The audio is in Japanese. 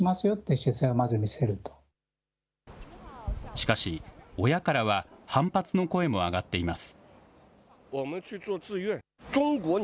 しかし、親からは反発の声も上がっています。